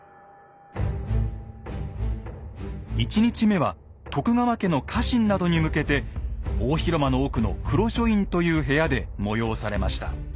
１日目は徳川家の家臣などに向けて大広間の奥の「黒書院」という部屋で催されました。